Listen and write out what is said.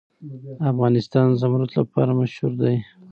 افغانستان د زمرد لپاره مشهور دی.